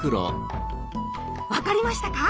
分かりましたか？